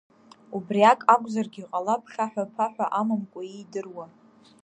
Убриак акәзаргьы ҟалап хьаҳәа-ԥаҳәа амамкәа иидыруа.